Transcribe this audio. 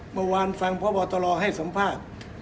เมื่อวานฟังพบตรให้สัมภาษณ์